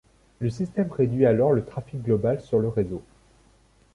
Le système réduit alors le trafic global sur le réseau.